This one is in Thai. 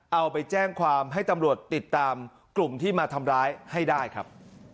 เอาไปแจ้งความให้ตำรวจติดตามกลุ่มที่มาทำร้ายให้ได้ครับ